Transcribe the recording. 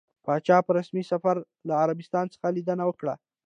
پاچا په رسمي سفر له عربستان څخه ليدنه وکړه.